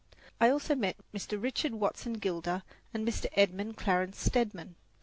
I also met Mr. Richard Watson Gilder and Mr. Edmund Clarence Stedman.